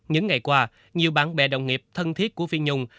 những ngày qua nhiều bạn bè đồng nghiệp thân thiết của phi nhung